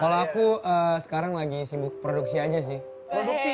kalau aku sekarang lagi sibuk produksi aja sih